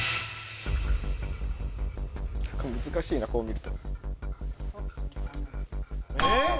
難しいなこう見ると。